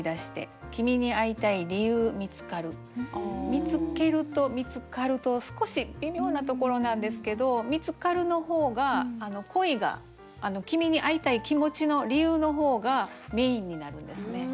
「見つける」と「見つかる」と少し微妙なところなんですけど「見つかる」の方が恋が「君にいたい」気持ちの理由の方がメインになるんですね。